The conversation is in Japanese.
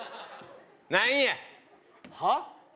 何やはあ？